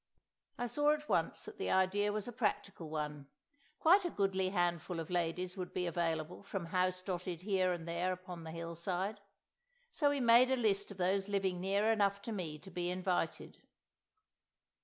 I saw at once that the idea was a practical one. Quite a goodly handful of ladies would be available from houses dotted here and there upon the hillside. So we made a list of those living near enough to me to be invited.